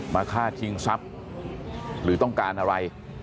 มาฆ่าชิงทรัพย์หรือต้องการอะไร